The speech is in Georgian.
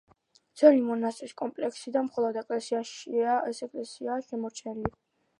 ძველი მონასტრის კომპლექსიდან მხოლოდ ეკლესიაა შემორჩენილი.